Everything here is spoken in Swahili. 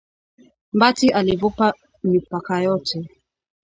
Mbati alivuka mipaka yote!